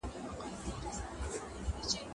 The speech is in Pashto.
زه به سبا سبزېجات وچوم.